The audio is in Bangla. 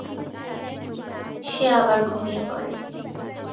সে আবার ঘুমিয়ে পড়ে।